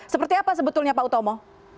seperti apa sebetulnya pak utomo